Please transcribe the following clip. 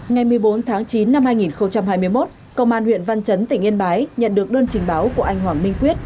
ngày một mươi bốn tháng chín năm hai nghìn hai mươi một công an huyện văn chấn tỉnh yên bái nhận được đơn trình báo của anh hoàng minh quyết